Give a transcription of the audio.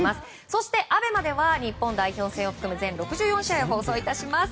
そして、ＡＢＥＭＡでは日本代表戦を含む全６４試合を放送いたします。